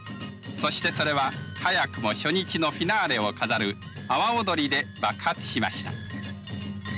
そしてそれは早くも初日のフィナーレを飾る阿波おどりで爆発しました。